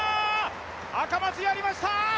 赤松、やりました！